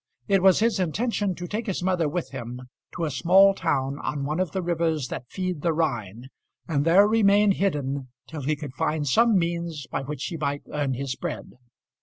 It was his intention to take his mother with him to a small town on one of the rivers that feed the Rhine, and there remain hidden till he could find some means by which he might earn his bread.